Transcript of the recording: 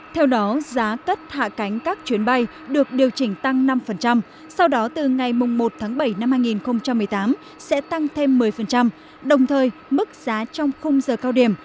theo đó giá cất hạ cánh các chuyến bay được điều chỉnh tăng năm sau đó từ ngày một tháng bảy năm hai nghìn một mươi tám sẽ tăng thêm một mươi đồng thời mức giá trong khung giờ cao điểm